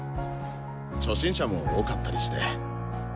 初心者も多かったりして。